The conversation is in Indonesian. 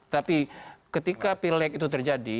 tapi ketika pil leg itu terjadi